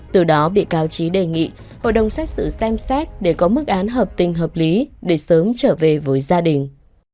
từ đó bị cáo trí đề nghị hội đồng xét xử xem xét để có mức án hợp tình hợp lý để sớm trở về với gia đình